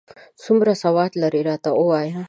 څومره سواد لرې، راته ووایه ؟